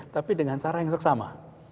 tapi dengan cara yang seksama